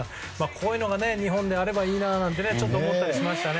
こういうのが日本であればいいななんてちょっと思ったりしましたね。